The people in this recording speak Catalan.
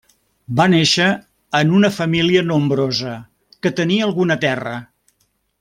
Va néixer en una família nombrosa que tenia alguna terra.